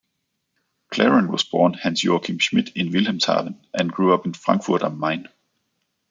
Clarin was born Hans-Joachim Schmid in Wilhelmshaven, and grew up in Frankfurt am Main.